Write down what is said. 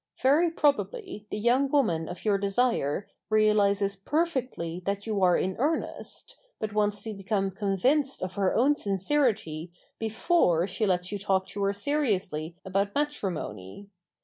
Very probably the young woman of your desire realizes perfectly that you are in earnest, but wants to become convinced of her own sincerity before she lets you talk to her seriously about matrimony.